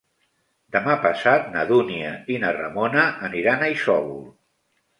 Demà passat na Dúnia i na Ramona aniran a Isòvol.